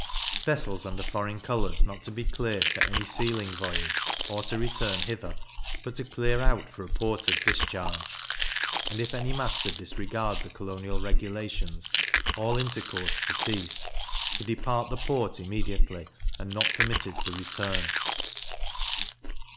Vessels under foreign colours not to be cleared for any sealing voyage, or to return hither, but to clear out for a port of discharge. And if any master disregard the colonial regulations, all intercourse to cease; to depart the port immediately, and not permitted to return.